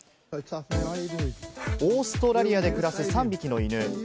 オーストラリアで暮らす３匹の犬。